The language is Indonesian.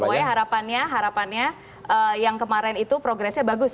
sesuai harapannya harapannya yang kemarin itu progresnya bagus